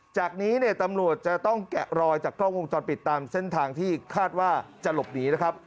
จากนี้เนี่ยตำรวจจะต้องแกะรอยจากกล้องวงจรปิดตามเส้นทางที่คาดว่าจะหลบหนีนะครับ